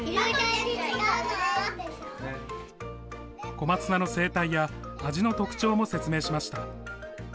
小松菜の生態や味の特徴も説明しました。